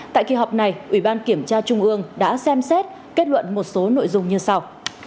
tại kỳ họp này ủy ban kiểm tra trung ương đã xem xét kết luận một số nội dung như sau